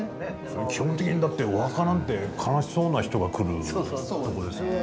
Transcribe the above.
基本的にだってお墓なんて悲しそうな人が来る所ですもんね。